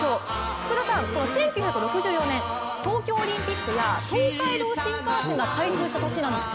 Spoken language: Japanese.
福田さん、この１９６４年、東京オリンピックや東海道新幹線が開通した年なんです。